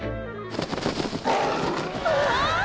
うわ！